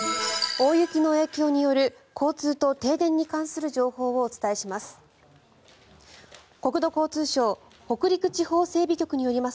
大雪の影響による交通と停電に関する情報をお伝えします。